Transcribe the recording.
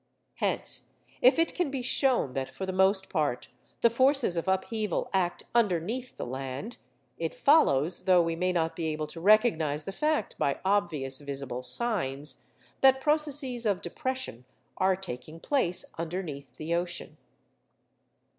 Hence, if it can be shown that for the most part the forces of upheaval act underneath the land, it follows—though we may not be able to recognise the fact by obvious visible signs—that processes of depression are taking place underneath the ocean.